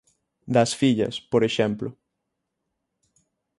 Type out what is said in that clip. Das fillas, por exemplo.